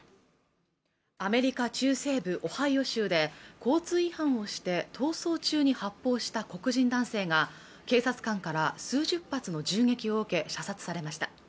アメリカ中西部オハイオ州で交通違反をして逃走中に発砲した黒人男性が警察官から数十発の銃撃を受け射殺されました